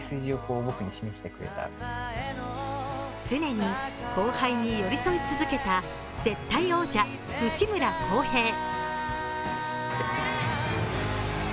常に後輩に寄り添い続けた絶対王者・内村航平。